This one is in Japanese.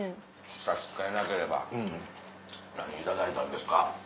差し支えなければ何頂いたんですか？